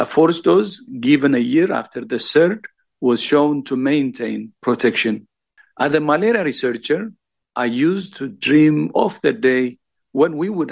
dosis kekuasaan yang diberikan setelah tiga tahun telah diperlihatkan untuk mempertahankan